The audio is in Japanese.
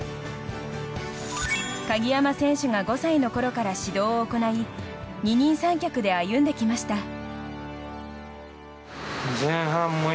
鍵山選手が５歳のころから指導を行い二人三脚で歩んできました。